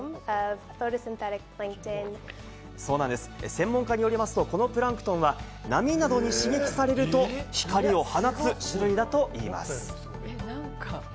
専門家によりますと、このプランクトンは波などに刺激されると光を放つ種類だといいます。